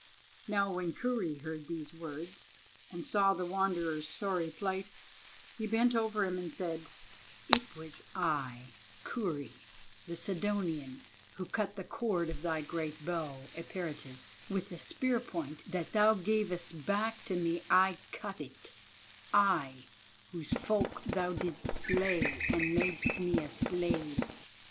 Now when Kurri heard these words, and saw the Wanderer's sorry plight, he bent over him and said: "It was I, Kurri the Sidonian, who cut the cord of thy great bow, Eperitus; with the spear point that thou gavest back to me I cut it, I, whose folk thou didst slay and madest me a slave.